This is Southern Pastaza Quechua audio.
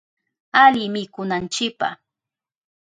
Ali mikunanchipa.